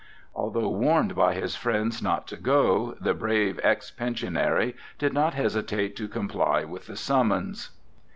Although warned by his friends not to go, the brave ex Pensionary did not hesitate to comply with the summons.